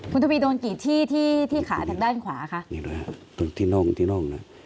คุณทวีโดนกี่ที่ที่ขาทางด้านขวาค่ะนี่ดูดูฮะตรงที่นอกที่นอกน่ะ